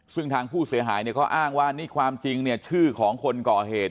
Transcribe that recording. ซึ่งทางผู้เสียหายเขาอ้างว่านี่ความจริงเนี่ยชื่อของคนก่อเหตุ